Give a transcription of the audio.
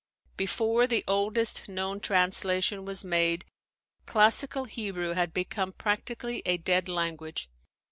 Before the oldest known translation was made classical Hebrew had become prac tically a dead language.